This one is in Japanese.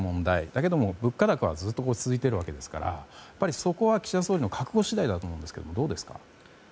だけども、物価高はずっと続いているわけですからそこは岸田総理の覚悟次第だと思うんですけれどもどうですか？